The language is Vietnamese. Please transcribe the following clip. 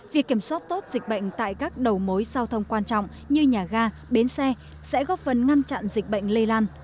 việc kiểm soát tốt dịch bệnh tại các đầu mối giao thông quan trọng như nhà ga bến xe sẽ góp phần ngăn chặn dịch bệnh lây lan